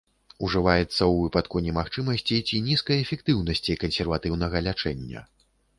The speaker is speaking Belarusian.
Ужываецца ў выпадку немагчымасці ці нізкай эфектыўнасці кансерватыўнага лячэння.